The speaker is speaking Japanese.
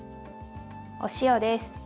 お塩です。